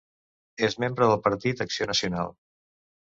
És membre del Partit Acció Nacional.